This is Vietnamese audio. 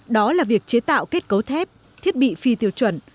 đó là việc chế tạo kết cấu thép thiết bị phi tiêu chuẩn